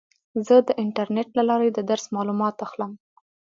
زه د انټرنیټ له لارې د درس معلومات اخلم.